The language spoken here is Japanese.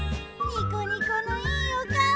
ニッコニコいいおかお。